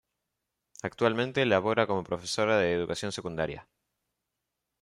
Actualmente labora como profesora de educación secundaria.